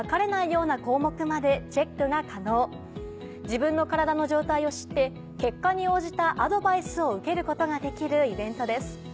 自分の体の状態を知って結果に応じたアドバイスを受けることができるイベントです。